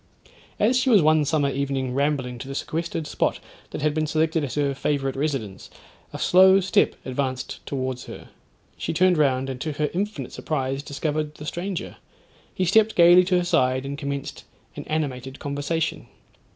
As she was one summer evening rambling to the sequestered spot that had been selected as her favourite residence, a slow step advanced towards her. She turned round, and to her infinite surprise discovered the stranger. He stepped gaily to her side, and commenced an animated conversation.